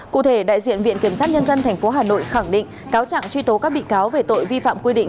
cụ thể đại diện viện kiểm sát nhân dân tp hà nội khẳng định cáo trạng truy tố các bị cáo về tội vi phạm quy định